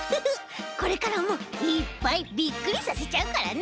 これからもいっぱいびっくりさせちゃうからね！